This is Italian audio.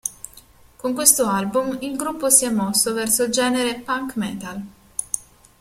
Con questo album, il gruppo si è mosso verso il genere punk metal.